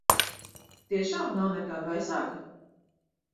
Tiešām nav nekā baisāka?